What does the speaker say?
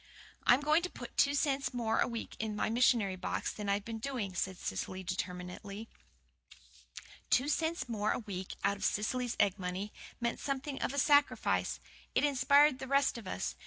"I'm going to put two cents more a week in my missionary box than I've been doing," said Cecily determinedly. Two cents more a week out of Cecily's egg money, meant something of a sacrifice. It inspired the rest of us.